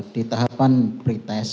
di tahapan pretest